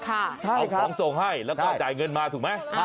เอาของส่งให้แล้วก็จ่ายเงินมาถูกไหม